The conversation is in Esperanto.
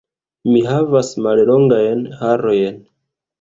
Mi havas mallongajn harojn.